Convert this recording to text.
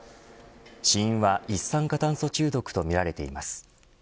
死因は一酸化炭素中毒と見られています。